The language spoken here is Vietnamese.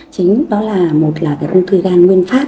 chính đó là một là cái ung thư gan nguyên phát